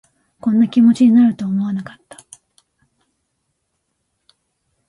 こんな気持ちになるとは思わなかった